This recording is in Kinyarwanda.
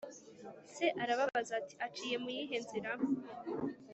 Se arababaza ati “Aciye mu yihe nzira?”